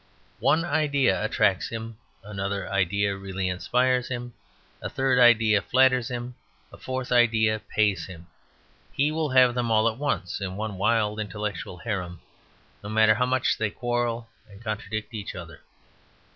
One idea attracts him; another idea really inspires him; a third idea flatters him; a fourth idea pays him. He will have them all at once in one wild intellectual harem, no matter how much they quarrel and contradict each other.